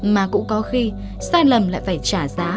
mà cũng có khi sai lầm lại phải trả giá